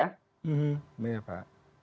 nah sering ke jogja